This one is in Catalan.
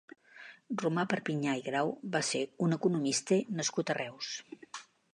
Romà Perpinyà i Grau va ser un economista nascut a Reus.